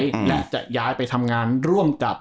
และจะย้ายไปทำงานร่วมกับ